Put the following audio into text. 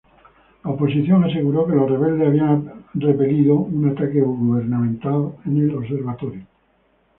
La oposición aseguró que los rebeldes habían repelido un ataque gubernamental en el Observatorio.